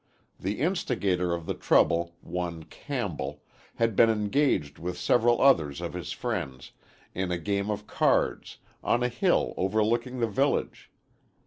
The instigator of the trouble, one Campbell, had been engaged with several others of his friends, in a game of cards, on a hill overlooking the village.